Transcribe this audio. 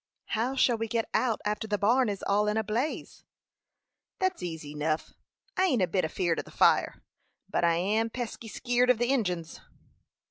"How shall we get out after the barn is all in a blaze?" "That's easy enough. I ain't a bit afeered of the fire, but I am pesky skeered of the Injins."